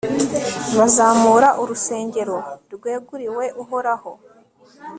bazamura urusengero rweguriwe uhoraho